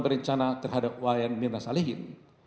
berencana terhadap wayamirna salihin